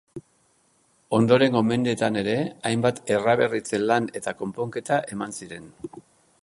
Ondorengo mendeetan ere hainbat eraberritze-lan eta konponketa eman ziren.